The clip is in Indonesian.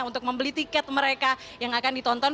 untuk membeli tiket mereka yang akan ditonton